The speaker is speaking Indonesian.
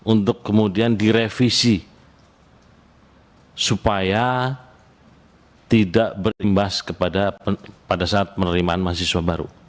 untuk kemudian direvisi supaya tidak berimbas pada saat penerimaan mahasiswa baru